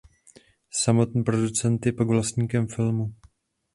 Samotný producent je pak vlastníkem filmu.